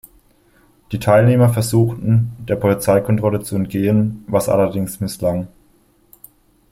Die Teilnehmer versuchten, der Polizeikontrolle zu entgehen, was allerdings misslang.